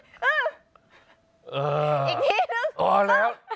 อีกทีหนึ่ง